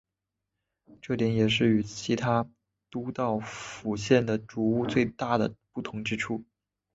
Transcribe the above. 这点也是与其他都道府县的煮物最大的不同之处。